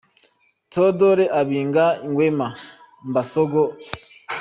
Teodoro Obiang Nguema Mbasogo –$.